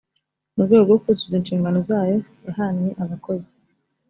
mu rwego rwo kuzuza inshingano zayo yahannye abakozi.